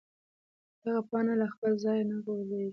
دغه پاڼه له خپل ځایه نه غورځېږي.